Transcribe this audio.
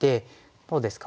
どうですか？